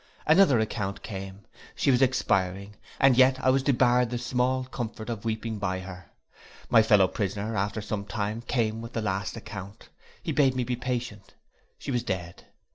Another account came. She was expiring, and yet I was debarred the small comfort of weeping by her. My fellow prisoner, some time after, came with the last account. He bade me be patient. She was dead!